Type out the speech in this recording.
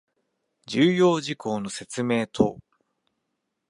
重要事項の説明等